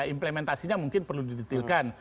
implementasinya mungkin perlu didetailkan